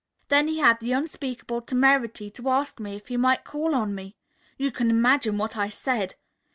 "Then he had the unspeakable temerity to ask me if he might call on me. You can imagine what I said.